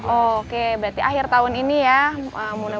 oke berarti akhir tahun ini ya mudah mudahan